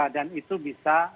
dan itu bisa